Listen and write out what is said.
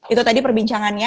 itu tadi perbincangannya